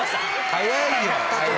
早いのよ。